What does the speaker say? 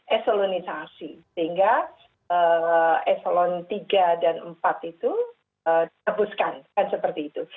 eselonisasi sehingga eselon tiga dan empat itu dihapuskan kan seperti itu